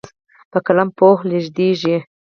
په قلم پوهه لیږدېږي.